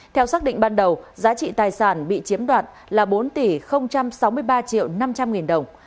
theo xác định ban đầu giá trị tài sản bị chiếm đoạt là bốn tỷ sáu mươi ba triệu năm trăm linh nghìn đồng